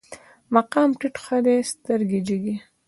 مقام ټيټ ښه دی، سترګې جګې